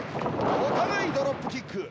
お互いドロップキック。